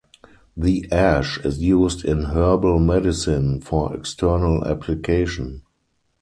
The ash is used in herbal medicine for external application.